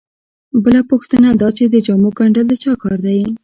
بله پوښتنه دا چې د جامو ګنډل د چا کار دی